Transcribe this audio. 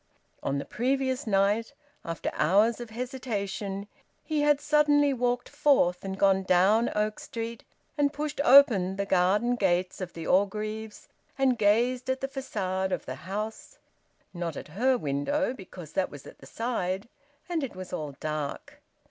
On the previous night, after hours of hesitation, he had suddenly walked forth and gone down Oak Street, and pushed open the garden gates of the Orgreaves, and gazed at the facade of the house not at her window, because that was at the side and it was all dark.